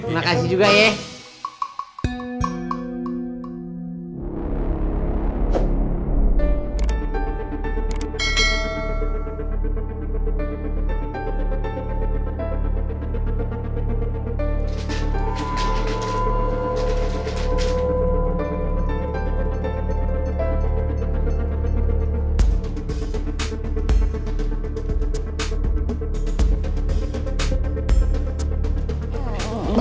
makasih juga ya